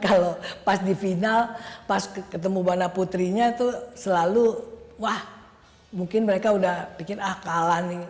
kalau pas di final pas ketemu buana putrinya itu selalu wah mungkin mereka sudah pikir akal